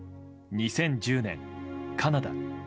２０１０年、カナダ。